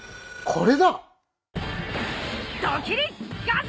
これだ！